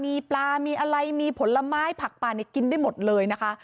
มีปลามีอะไรมีผลไม้ผักปลานี่กินได้หมดเลยนะคะ